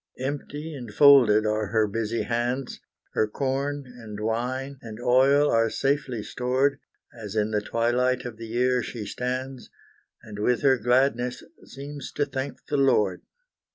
Empty and folded are her busy hands; Her corn and wine and oil are safely stored, As in the twilight of the year she stands, And with her gladness seems to thank the Lord.